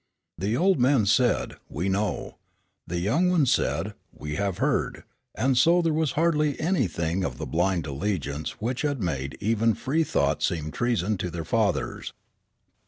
The old men said "We know;" the young ones said "We have heard," and so there was hardly anything of the blind allegiance which had made even free thought seem treason to their fathers.